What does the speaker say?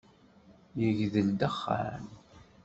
Yegdel dexxan!